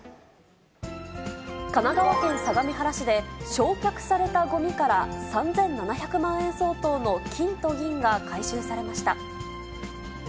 神奈川県相模原市で、焼却されたごみから３７００万円相当の金と銀が回収されました。